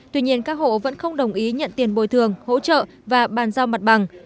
tuy nhiên các hộ vẫn không đồng ý nhận tiền bồi thường hỗ trợ và bàn giao mặt bằng